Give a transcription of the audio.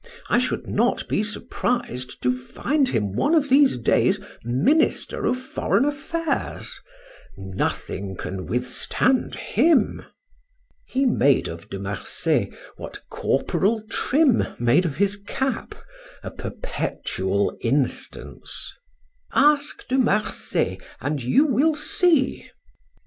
I should not be surprised to find him one of these days Minister of Foreign Affairs. Nothing can withstand him." He made of De Marsay what Corporal Trim made of his cap, a perpetual instance. "Ask De Marsay and you will see!"